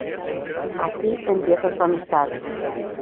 Así empieza su amistad.